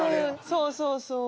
そうそうそう。